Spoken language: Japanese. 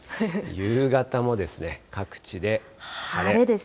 夕方も各地で晴れ。